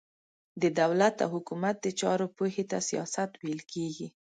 د دولت او حکومت د چارو پوهي ته سياست ويل کېږي.